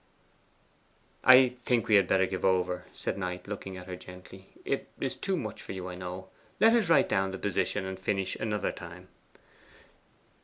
'I think we had better give over,' said Knight, looking at her gently. 'It is too much for you, I know. Let us write down the position, and finish another time.